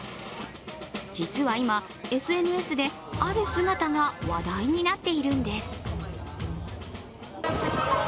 実は今、ＳＮＳである姿が話題になっているんです。